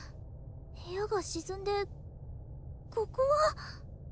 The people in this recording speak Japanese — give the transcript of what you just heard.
部屋が沈んでここは？